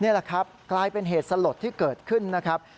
นี่แหละครับกลายเป็นเหตุสลดที่เกิดขึ้นนะครับ